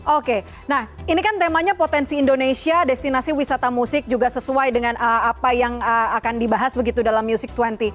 oke nah ini kan temanya potensi indonesia destinasi wisata musik juga sesuai dengan apa yang akan dibahas begitu dalam music dua puluh